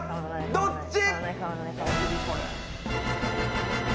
どっち？